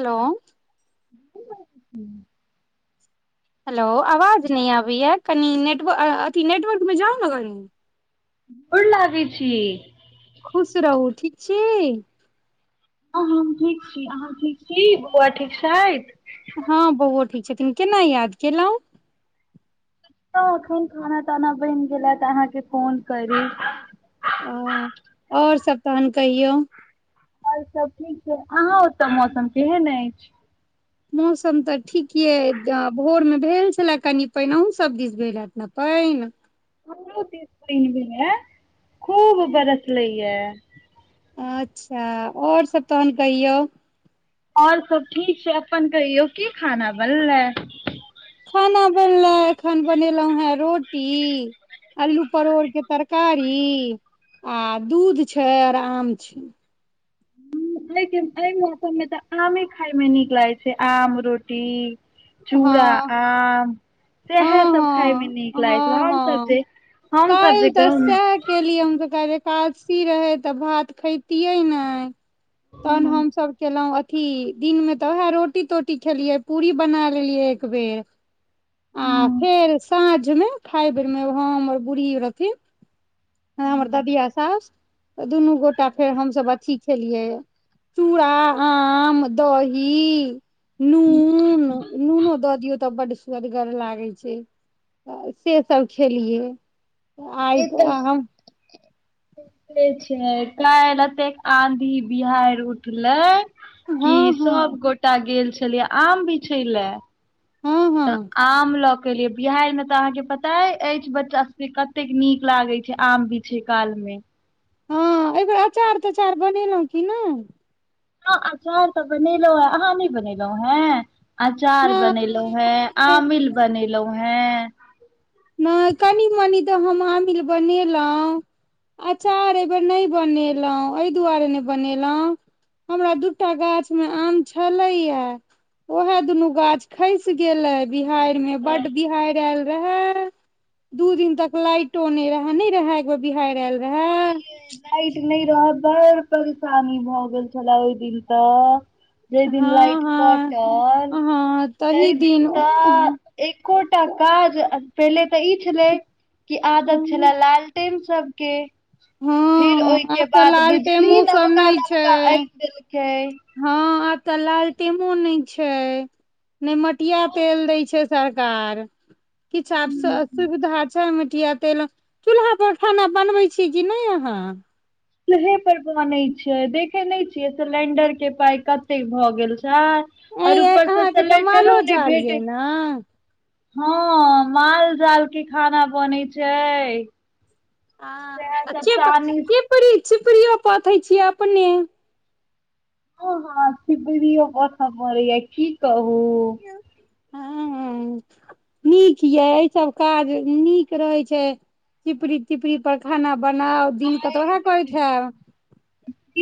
हलो ब हेलौ आवाज नहि आबैए कनि नेटवर्क अथी नेटवर्कमे जाउ ने बहींन गोड़ लागि छी खुश रहू ठीक छी हँ हम ठीक छी अहाँ ठीक छी बौआ ठीक छथि हँ बौओ ठीक छथिन केना याद केलहुँ तऽ एखन खाना ताना बनि गेला तऽ अहाँके फोन करी आओर सब तहन कहियौ आओर सब ठीक छै अहाँ ओतय मौसम केहन अछि मौसम तऽ ठीक ये भोरमे भेल छलए कनि पानि अहुं सभ दिस भेल हएत न पानि नइन हमरो दिस नहि भेलयै खूब बरसलै या अच्छा आओर सब तहन कहियौ आओर सब ठीक छै अपन कहियौ की खाना बनलै खाना बनलै एखन बनेलौहुं हें रोटी अल्लू परोड़ के तर कारी आ दूध छै आओर आम छै एहि एहि मौसममे तऽ आमे खाायमे नीक लागै छै आम रोटी चूड़ा हँ आम हँ सएह सब खायमे नीक लागैत छल हमसभ जे हमसब काइल जे तऽ गाँव मे सेएह केलीये हम त काइल एकादसी रहे तऽ भात खेैतियै नइ तहन हमसब केलहुं की दिनमे तऽ वएह रोटी तोटी खेलियै पूरी बना लेलियै एक बेेर आ फेर साँझमे खाय बेरमे हम आर बुढ़ी रहथिन हमर ददिया साउस त दुनू गोटा फेर हमसब अथी खेलियै चूड़ा आम दही नून नूनो दऽ दियौ तऽ बड्ड स्वादगर लागइ छै सेसभ खेलियै आइ हम तै छै काल एतेक आँधी बिहारि उठलै कि हँ हँ सब गोटा गेल छलयै आम बीछै लए हँ तऽ हँ आम लक केलिये बिहाइरमे तऽ अहाँ के पताए अछि बच्चा सब के कते नीक लागे छै आम बीछै कालमे [inaudible] हँ अइ बेेर अचार तचार बनेलहुँ की नहि हँ अचार तऽ बनेलउ हं अहाँ नइ बनेलउ हैं अचार बनेलउ नहि एहि हें बेर आमिल बनेलउ हें नइ कनी मनी तऽ हम आमिल बनेलउ अचार अइ बेेर नइ बनेलउ अइ दुआरे नइ बनेलउ हमरा दू टा गाछमे आम छलइया ओएहे दुनू गाछ खसि गेले बिहारिमे बड्ड बिहारि आयल रहय दू दिन तक लाइटो नइ रहै नइ रहै एक बेर बिहारि आयल रेहा नइ रह बड़ परेशानी भऽ गेल छला ओहि दिन तऽ जय दिन हँ लाइट हँ कटल हँ तइ तही दिन त एकोटा हँ काज पहिले तऽ ई छले कि आदत छला लालटेन सबके फिर ओइके आब तऽ बाद बिजली लालटेमो सब नबका नहि छै नबका आइन देल हँ आब तऽ लाल टेमो नइ छइ ने मटियातेल दइ छै सरकार किछ आब स सुविधा छै मटिया तेलक चूल्हा पर खाना बनबइ छी कि नइ अहाँ हँ चुलहे पर बनै छय देखइ नइ छियै सिलेंडर के पाय कतेक भऽ गेल नहि ऐ और उपरसँ अहाँके तऽ सिलेंडरो मालो नइ जाल ये भेटे ने हँ माल जाल के खाना बनइ छइ अ चेप चेपरी चिपरी पथइ छियै अपने हँ हँ चिपरीयो पथ' परइया की कहू हँ नीक यै ऐ सब काज नीक रहै छै चिपरी तिपरी पर खाना बनाउ दिन क तऽ वैह करैत हैब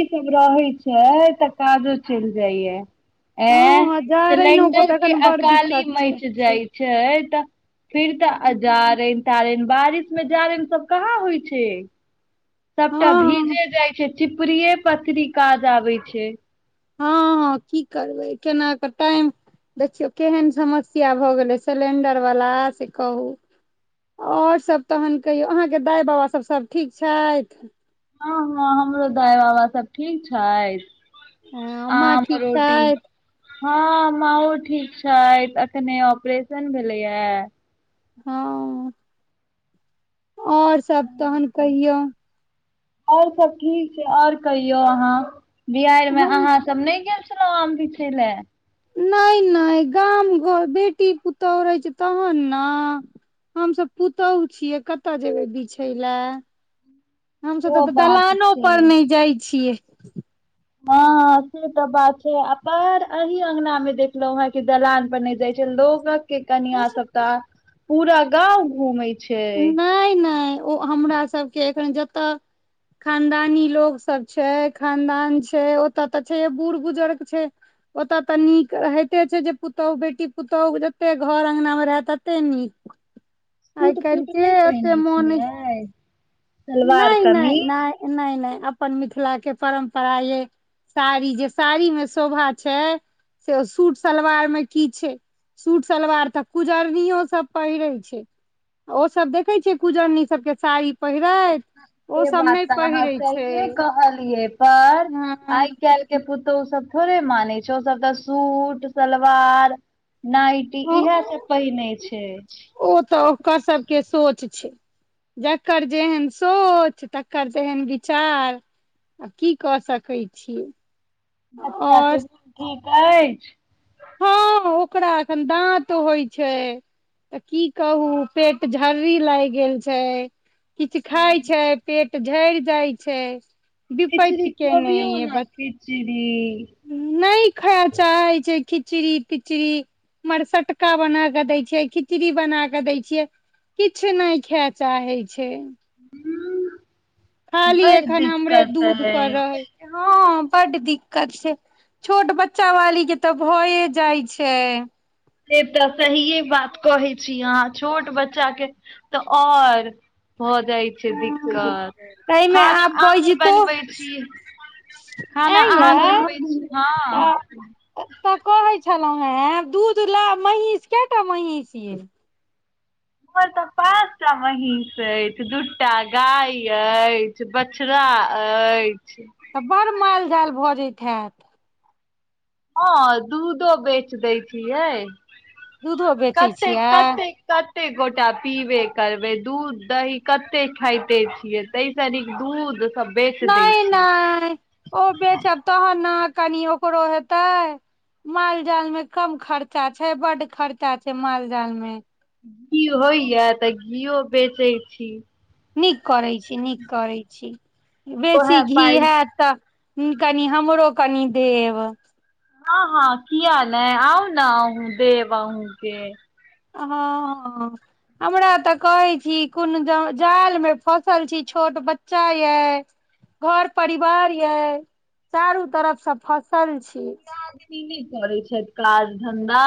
इसभ रहैय छइ तऽ काजो चलि जाइया हँ ऐं हँ जरैनो सिलेणडर तऽ के एखन बड़ अकाली दिक्कत छै मचि जाइ छै तऽ फिर तऽ हँ जारनि तारनि बारिशमे जारनि सब कहाँ होइ छै सभटा हँ भीजे जाइ छै चिपरीए पथरी काज आबै छै हँ हँ की करबै केना कऽ टाइम देखियौ केहन समस्या भऽ गेलै सिलेंडर बला से कहू आओर सभ तहन कहियौ अहाँके दाइ बाबासभ सभ ठीक छथि हँ हँ हमरो दाइ बाबा सब ठीक छथि अ माँ आम ठीक रोटी छथि हँ माँओ ठीक छाइथ अखने ऑपरेशन भेलैया हँ आओर सब तहन कहियौ आओर सब ठीक छै आओर कहियौ अहाँ बिहारिमे हम अहाँ सब नहि गेल आम बीछय लै नहि नहि गाम घर बेटी पुतोहु रहै छै तहन न हमसभ पुतहु छियै कतऽ जेबै बिछय लए हमसभ तऽ सेहो तऽ बात छै दलानोपर नहि जाइ छियै हं से त' बात छै आ पहर अही अंगनामे देखलों हं कि दलान पर नहि जाय छै लोगक के कनियां सब त पूरा गाँव घुमेै छै नहि नहि ओ हमरा सभके एखन जतह खानदानी लोग सब छै खानदान छै ओतऽ तऽ छैे बूढ़े बुजुर्ग छै ओतय तऽ नीक होते छै जे पुतोहु बेटी पुतोहू जते घर अंगनामे रहय तते नीक [inaudible] काल्हि सूट के नहि एते पहिने मोन छै आय नहि नहि नहि नहि नहि अपन मिथिला के परम्परा ये साड़ी जे साड़ी मे शोभा छै से सूट सलवार मे की छै सूट सलवार तऽ कुजरनियो सब पहिरै छै ओसभ देखैत छियै कुजरनी सभके साड़ि पहिरैत ओ सेे सब बात नहि तऽ अहाँ पहिरै छै सहिेये कहलियै पर हँ आइ काल्हि के पु तऽ ओ सब थोड़े मानै छै ओसभ तऽ सूट सलवार नाइटी ओ इह सब पहि नहि छै ओ तऽ ओकर सबके सोच जकर जेहन सोच तकर जेहन विचार आ की कऽ सकैत छियै बच्चा के और मुन ठीक अछि हं ओकरा एखन दाँत होइ छै तऽ की कहू पेट झर्री लागि गेल छै किछु खााय छै पेट झैड़ जाइ छै खिचड़ी विपत्ति केने खुअबियौ ये न ब खिचड़ी नहि खााय चाहै छै खिचड़ी पिचड़ी मर सटका बना क दै छियै खिचड़ी बना क दै छियै किछु नहि खाय चाहै छै खाली बड़ एखन हमरे दिक्कत दूध अछि पर रहै हँ बड दिक्कत छै छोट बच्चा वाली के तऽ भए जाइ छै से तऽ सहिए बात कहै छी अहाँ छोट बच्चा के तऽ आ और भ जाइ छै दिक्कत एहिमे खाना आब आ बनबै छी अ खाना यै अहाँ बनबै छी हँ तऽ कहै छलहुँ हेँ दूध ला महींष कटा महींष य उपर त्पा पाँच टा महींष अछि दूटा गाय अछि बछड़ा अछि तऽ बड़ मालजाल भऽ जैत हैत हँ दूधो बेच दै छियै दूधो बेचै कतेक छियै कतेक कत कतेक गोटा पीबे करबै दूध दही कतेक खाइते छियै ताहिसँ नीक दूध सब बेच दै नहि छियै नहि ओ बेचब तहन ने कनि ओकरो हेतै माल जाल में कम खर्चा छै बड्ड खर्चा छै माल जाल में घी होइया तऽ घीओ बेचै छी नीक करैत छी नीक करैत छी बेसी ओएह घी पाइ हयत तऽ कनि हमरो कनि देब हँ हँ किया नै हाल है आउ ने अहँ देब अहूँके हँ हँ हमरा तऽ कहै छी कोनो जाल मे फसल छी छो छोट बच्चा य घर परिवार ये चारू तरफसँ फसल छी दिदि नहि करै छथि काज धंधा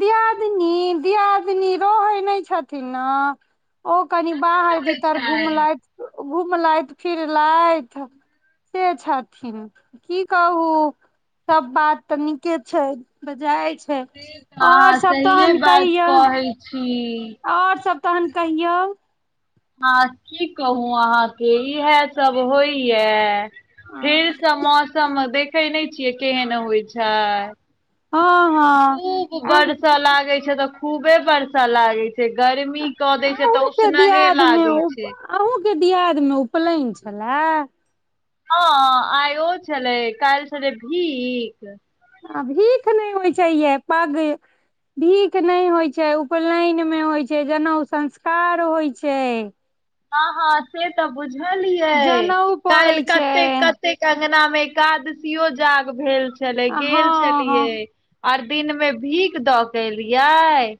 दियादिनी दियादिनी रहै नहि छथिन ने ओ कनि कतऽ बाहर रहै भीतर छथि घुमलथि घुमलथि फिरलथि से छथिन की कहू सब बात तऽ नीके छै बेजाय अछि से त अहाँ सहिए बात कहियौ कहै छी और सब तहन कहियौ हँ की कहू अहाँके इहे सब होइय फेरसँ मौसम देखै नहि छियै केहन होइ छै हँ हँ खूब आ बर्षा लागै छै तऽ खूबे बर्षा लागै छै से गर्मी कऽ दै छै तऽ अहूँ के उसनहे दियाद मे लागै छै अहूँ के दियाद मे उपनयन छलए हँ आइ ओ छलै काल्हि छलै भीख आ भीख नहि होइ छै ये पाग भीख नहि होइ छै उपनयनमे होइ छै जनउ संस्कार होइ छै हँ हँ से तऽ बुझलियै जनउ काल्हि पड़ै छै कतेक कतेक अंगना मे एकादशियो जाग भेल छलै हँ गेल हँ छलियै आर दिन में भीख दऽ के एलियै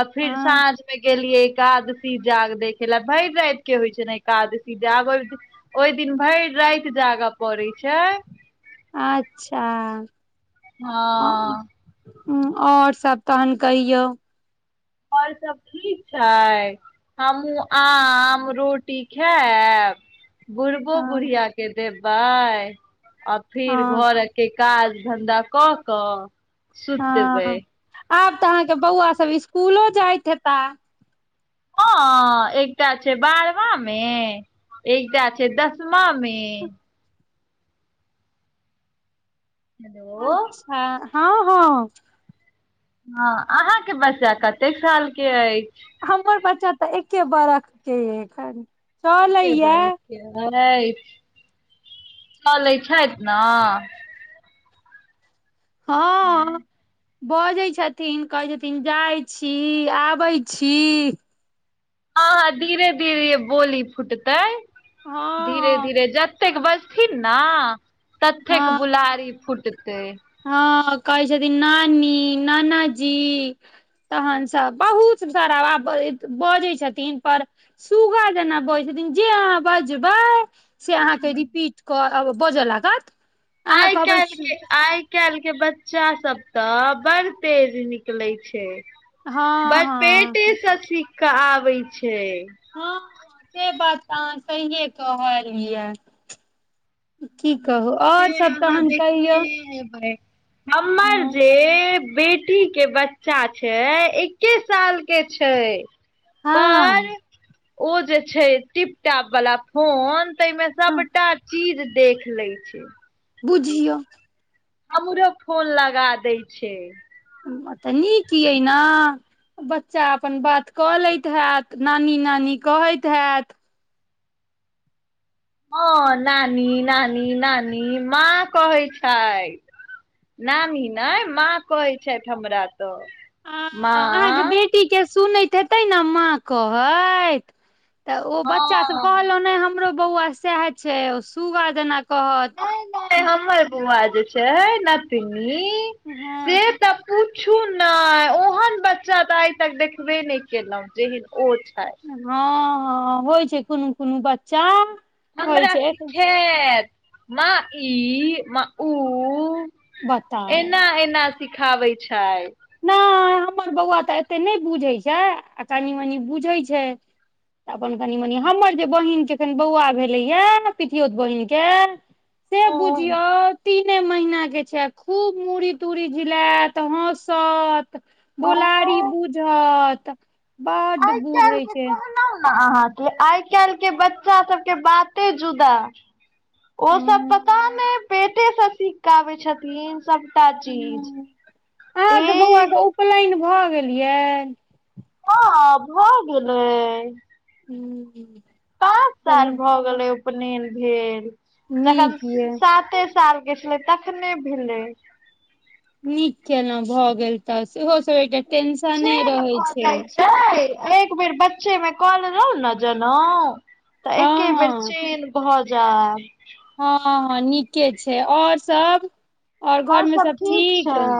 आ फिर हँ साँझ मे गेलियै एकादशी जाग देख लए भै राति के होइ छै ने एकादशी जाग ओहि दिन भरि राति जाग पड़ै छै अच्छा हँ आओर सब तहन कहियौ आओर सब ठीक छै हमूँ आम रोटी खायब बुढ़बो हँ बुढ़िया के देबै आ फिर हँ घर एक काज धन्धा कऽ कऽ हँ सुतबै आब तऽ अहाँके बौआ सभ इसकुलो जाइत हेता ह एकटा छै बारवामे एकटा छै दसमा मे हेलो अच्छा हँ हँ हँ अहाँके बच्चा कतेक साल के अछि हमर बच्चा तऽ एके बरखके य एखन एके चलइ य बरख के चलै छथि न हँ बजै छथिन कहै छथिन जाइ छी आबै छी आ धीरे धीरे बोली फुटतै धीरे हँ धीरे जत जतेक बजथिन ने ततेक बुलारी हँ फूटतै कह छथि नानी नाना जी तहन सब बहुत शराबा बजै छथिन पर सूग्गा जेना बजै जे अहाँ बजबै से अहाँके रिपीट कर बजऽ लागत अहाँ आइ कहबै काल्हि के आय आ काल्हि के बच्चा सब तऽ बड़ तेज निकले छै हँ बस हँ पेटेसँ सीख कऽ आबै छै हँ से बात तऽ अहाँ सहिए कहलिय क कहू से आओर सब अहाँ तहन देखने कहियौ हेबै हमर हँ जे बेटी के बच्चा छै एक्के साल के छै पर हँ ओ जे छै टिपटटाप वालला फोन तमे हँ सबटा चीज देख ले छै बुझियौ हमरो फोन लगा दै छै म तऽ नीक अैना बच्चा अपन बात कऽ लैत हैत नानी नानी कहैत हैत हँ नानी नानी नानी माँ कहै छैथ नानी ही ने माँ कहै छथि हमरा तऽ ह अहाँके माँ बेटी के सुनैत एतै ने माँ कहैत तऽ ओ बच्चा सब हँ कहलो हम हमरो बौआ सएह छै ओ सूगा जेना कहत नहि नहि हमर बौआ जे छै नथिनी से हँ त पुछु ने ओहन बच्चा तऽ आइ तक देखबे नहि केलहु जेहन ओ छै हँ होइ छै कोनो कोनो बच्चा होइ हमरा छै सिखेत माँ ई माँ उ बताउ एना एना सिखाबै छै नहि हमर बौआ तऽ एते नहि बुझै छै आ कनी मनी बुझै छै तऽ अपन कनि मनि हमर जे बहिनके कनि बौआ भेलैए पितियोत बहिनके से बुझियौ तीने महीना के छै खूब मूड़ी तूरी झिलयत ह तत बोलारी बुझत बड् बूजहइ छै अ आहा काल्हि के बच्चा सबके बाते जुदा ओ सब हँ पता नहि पेटेसँ सीखकेऽ आबै छथिन सबटा चीज हँ। ए चलियै हँ भए गेलै हूँ पाँच साल भऽ गेलै उपनयन भेल जखन नीक ये साते साल के छलै तखने भेलै नीक केेल भऽ गेल तऽ सेहो सब से टेंशने रहै लख छै जाइ छै एक बेर बच्चे मे कल रहउ ने जनउ तऽ हँ एके बेर हँ चेन भऽ जा जा हँ हँ नीके छै आ और सब आओर घरमे सब ठीक